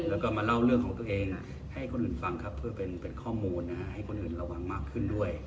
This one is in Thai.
แล้วก็มาเล่าเรื่องของตัวเองให้คนอื่นฟังครับเพื่อเป็นข้อมูลให้คนอื่นระวังมากขึ้นด้วย